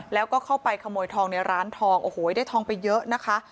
แล้วก็เข้าไปขโมยทองในร้านทองโอ้โหได้ทองไปเยอะนะคะ